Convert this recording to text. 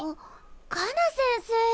カナ先生。